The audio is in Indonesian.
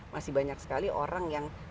masih banyak sekali orang yang